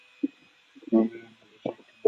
আমি আর নিজের শক্তি ব্যবহার করি না।